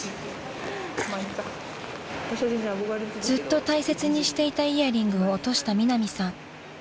［ずっと大切にしていたイヤリングを落としたミナミさん］